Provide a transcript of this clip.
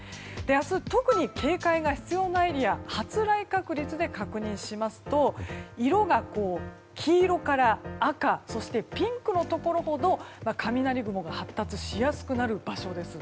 明日、特に警戒が必要なエリア発雷確率で確認しますと色が黄色から赤そしてピンクのところほど雷雲が発達しやすくなる場所です。